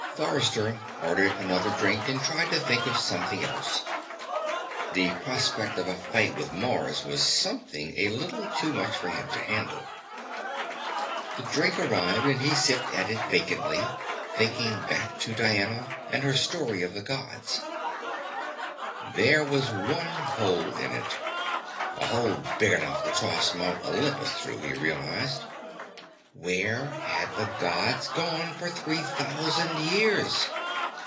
Forrester ordered another drink and tried to think about something else. The prospect of a fight with Mars was sometimes a little too much for him to handle. The drink arrived and he sipped at it vacantly, thinking back to Diana and her story of the Gods. There was one hole in it a hole big enough to toss Mount Olympus through, he realized. Where had the Gods gone for three thousand years?